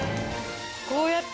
こうやって。